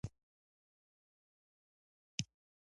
جګړن د شا له خوا را پسې ږغ کړل.